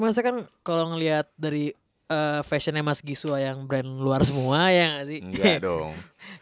maksudnya kan kalau ngelihat dari fashionnya mas giswa yang brand luar semua ya gak sih dong